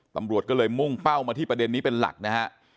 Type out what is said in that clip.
ตำรวจก็เลยมุ่งเป้ามาที่ประเด็นนี้เป็นหลักนะฮะ